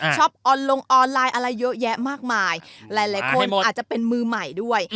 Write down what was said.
ออนลงออนไลน์อะไรเยอะแยะมากมายหลายคนอาจจะเป็นมือใหม่ด้วย